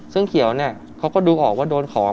ซึ่งเขียวเนี่ยเขาก็ดูออกว่าโดนของ